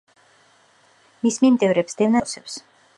მის მიმდევრებს დევნა დაუწყეს, როგორც ერეტიკოსებს.